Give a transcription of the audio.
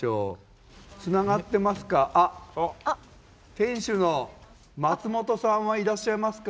店主の松本さんはいらっしゃいますか？